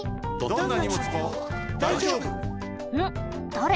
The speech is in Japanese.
だれ？